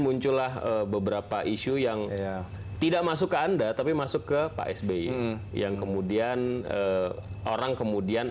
muncullah beberapa isu yang tidak masuk ke anda tapi masuk ke pak sby yang kemudian orang kemudian